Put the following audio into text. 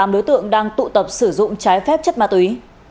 tám đối tượng đang tụ tập sử dụng trái phép chất ma túy